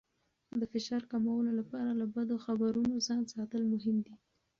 د فشار کمولو لپاره له بدو خبرونو ځان ساتل مهم دي.